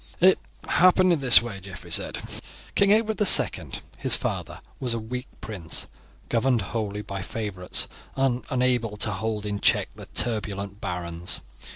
"It happened in this way," Geoffrey said. "King Edward II, his father, was a weak prince, governed wholly by favourites, and unable to hold in check the turbulent barons.